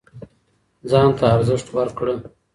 ځان ته ارزښت ورکړه